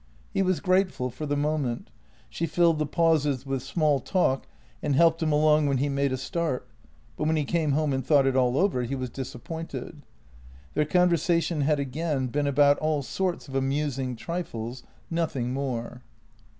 He was grateful for the moment; she filled the pauses with small talk and helped him along when he made a start, but when he came home and thought it all over, he was disappointed. Their conversation had again been about all sorts of amusing trifles, nothing more.